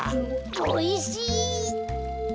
おいしい。